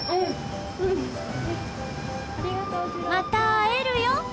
「また会えるよ」